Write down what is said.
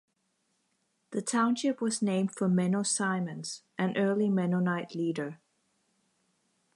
The township was named for Menno Simons, an early Mennonite leader.